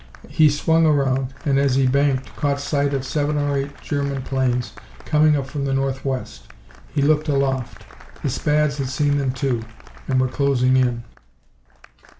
He swung around, and as he banked caught sight of seven or eight German planes coming up from the northwest. He looked aloft. The Spads had seen them, too, and were closing in.